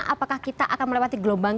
apakah kita akan melewati gelombang